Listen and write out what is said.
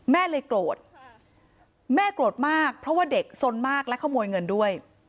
แม่เลยโกรธแม่โกรธมากเพราะว่าเด็กสนมากและขโมยเงินด้วย